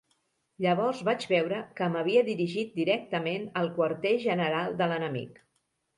Llavors vaig veure que m'havia dirigit directament al quarter general de l'enemic.